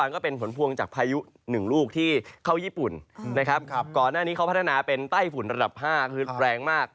ก่อนหน้านี้เขาพัฒนาเป็นใต้ฝุ่นระดับ๕คือแรงมาก